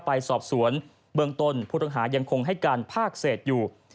ไปสอบสวนเบื้องต้นผู้ต้องหายังคงให้การภาคเศษอยู่